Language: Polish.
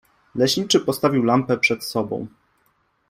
Leśniczy postawił lampę przed sobą.